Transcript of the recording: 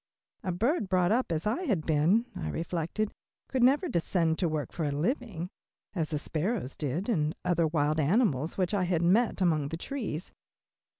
A bird brought up as I had been, I reflected, could never descend to work for a living, as the sparrows did, and other wild birds which I had met among the trees.